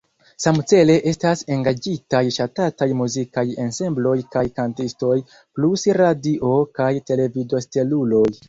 Samcele estas engaĝitaj ŝatataj muzikaj ensembloj kaj kantistoj plus radio- kaj televido-steluloj.